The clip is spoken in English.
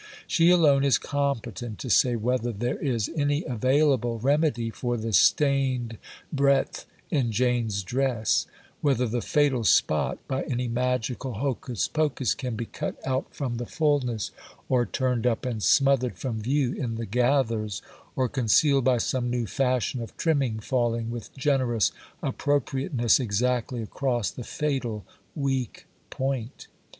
She alone is competent to say whether there is any available remedy for the stained breadth in Jane's dress—whether the fatal spot by any magical hocus pocus can be cut out from the fulness, or turned up and smothered from view in the gathers, or concealed by some new fashion of trimming falling with generous appropriateness exactly across the fatal weak point.